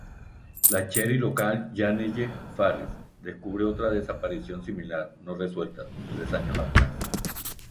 La sheriff local Janelle Farris, descubre otra desaparición similar no resuelta, tres años atrás.